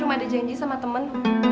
rum ada janji sama temen